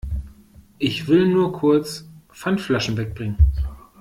Ich will nur kurz Pfandflaschen weg bringen.